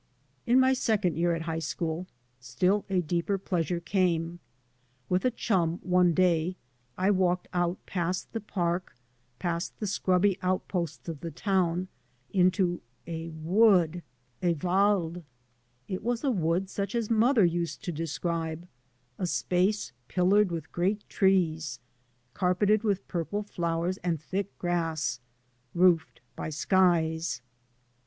In my second year at high school still a deeper pleasure came. With a chum one day I walked out past the park, past the scrubby out posts of the town, into — a wood, a " wald." It was a wood such as mother used to describe, a space pillared with great trees, carpeted with purple flowers and thick grass, roofed by skies.